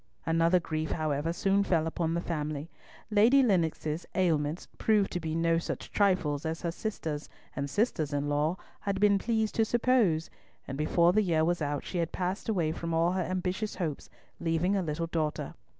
Another grief, however, soon fell upon the family. Lady Lennox's ailments proved to be no such trifles as her sisters and sisters in law had been pleased to suppose, and before the year was out, she had passed away from all her ambitious hopes, leaving a little daughter.